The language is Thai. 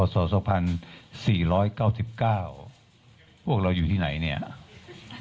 ขอบพระคุณนะครับ